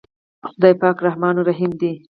خداے پاک رحمان رحيم دے۔